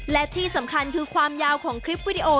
และที่สำคัญคือความยาวของคลิปวิดีโอ